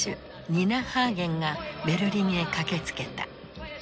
ニナ・ハーゲンがベルリンへ駆けつけた。